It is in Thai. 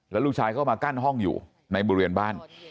แล้วลูกชายก็มากั้นห้องอยู่ในบริเวณบ้าน